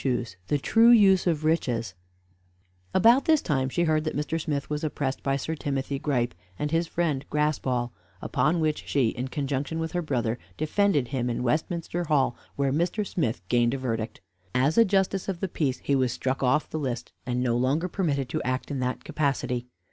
VI THE TRUE USE OF RICHES About this time she heard that Mr. Smith was oppressed by Sir Timothy Gripe and his friend Graspall; upon which she, in conjunction with her brother, defended him in Westminster Hall, where Mr. Smith gained a verdict. As a justice of the peace he was struck off the list, and no longer permitted to act in that capacity.